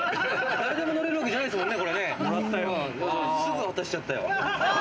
誰でも乗れるわけじゃないですからね。